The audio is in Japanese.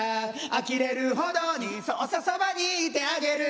「あきれるほどにそうさそばにいてあげる」